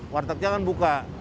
wartegnya kan buka